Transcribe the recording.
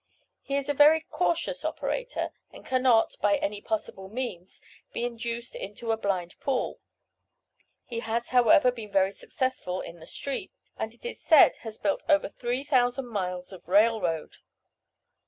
He is a very cautious operator, and cannot, by any possible means, be induced into a "blind pool." He has, however, been very successful in the "street," and it is said has built over three thousand miles of railroad.